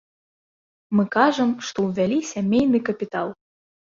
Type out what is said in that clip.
Мы кажам, што ўвялі сямейны капітал.